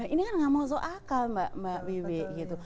ini kan gak mau soal akal mbak wimik gitu